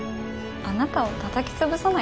あなたをたたき潰さないと。